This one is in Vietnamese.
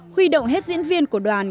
huy động hết diễn viên của đoàn